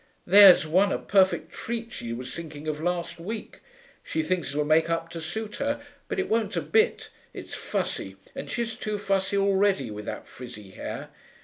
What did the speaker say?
There's one a perfect treat she was thinking of last week; she thinks it'll make up to suit her, but it won't a bit; it's fussy, and she's too fussy already, with that frizzy hair.